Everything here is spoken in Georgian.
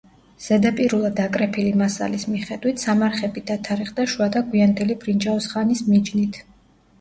ზედაპირულად აკრეფილი მასალის მიხედვით, სამარხები დათარიღდა შუა და გვიანდელი ბრინჯაოს ხანის მიჯნით.